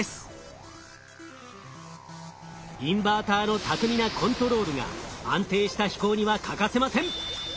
インバーターの巧みなコントロールが安定した飛行には欠かせません。